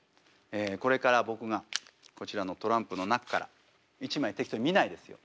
これから僕がこちらのトランプの中から１枚適当に見ないですよ。